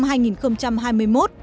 cho đến năm hai nghìn hai mươi